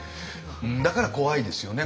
だから怖いですよね